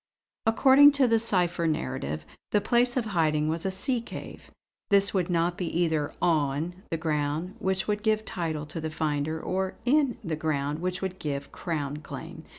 According to the cipher narrative the place of hiding was a sea cave. This could not be either 'on' the ground, which would give title to the finder; or 'in' the ground which would give Crown claim.